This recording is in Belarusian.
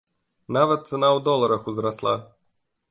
Нават цана ў доларах узрасла!